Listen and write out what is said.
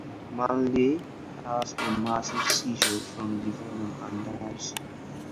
Manley has a massive seizure from the venom and dies.